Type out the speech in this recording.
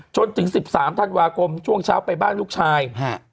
จนถึง๑๓ธันวาคมช่วงเช้าไปบ้านลูกชาย